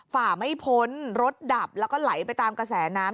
ฝ่าไม่พ้นรถดับแล้วก็ไหลไปตามกระแสน้ำ